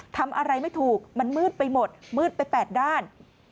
ทำอะไรไม่ถูกมันมืดไปหมดมืดไป๘ด้าน